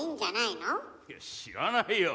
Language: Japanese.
いや知らないよ。